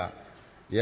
「いや。